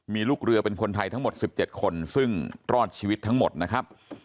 มีลูกเรือเป็นคนไทยทั้งหมด๑๗คนซึ่งรอดชีวิตทั้งหมดนะครับ